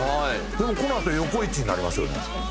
でもこのあと横１になりますよね。